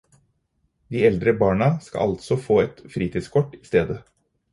De eldre barna skal altså få et fritidskort i stedet.